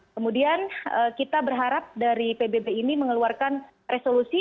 kemudian kita berharap dari pbb ini mengeluarkan resolusi